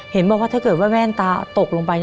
เห็นบ้างว่าถ้าเกิดแม่งตาตกลงไป